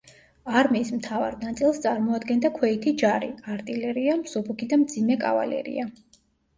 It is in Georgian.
არმიის მთავარ ნაწილს წარმოადგენდა ქვეითი ჯარი, არტილერია, მსუბუქი და მძიმე კავალერია.